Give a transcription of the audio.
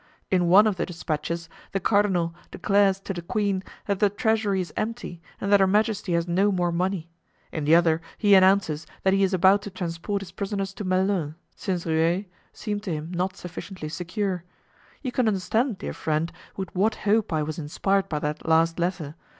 In one of the despatches the cardinal declares to the queen that the treasury is empty and that her majesty has no more money. In the other he announces that he is about to transport his prisoners to Melun, since Rueil seemed to him not sufficiently secure. You can understand, dear friend, with what hope I was inspired by that last letter.